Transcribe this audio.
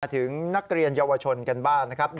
ถึงนักเรียนเยาวชนกันบ้างนะครับ